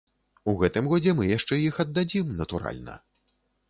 У гэтым годзе мы яшчэ іх аддадзім, натуральна.